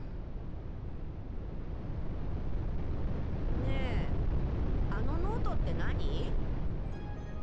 ねえあのノートって何？